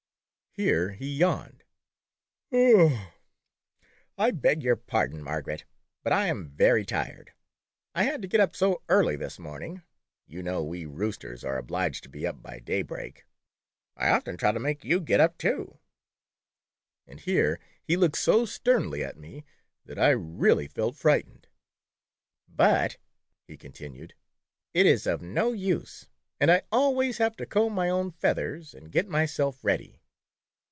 Here he yawned. " I beg your pardon, Margaret, but I am very tired. I had to get up so early this morning — you know we roosters are obliged to be up by day break. I often try to make you get up too," and here he looked so sternly at me that I really felt frightened, "but" continued he, "it is of no use and I always have to comb my own feathers and get myself ready."